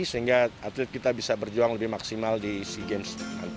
sehingga atlet kita bisa berjuang lebih maksimal di sea games